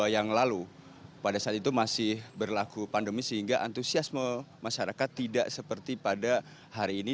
dua ribu dua puluh dua yang lalu pada saat itu masih berlaku pandemi sehingga antusiasme masyarakat tidak seperti pada hari ini